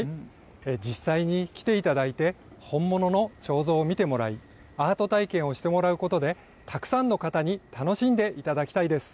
実際に来ていただいて本物の彫像を見てもらい、アート体験をしてもらうことでたくさんの人に楽しんでいただきたいです。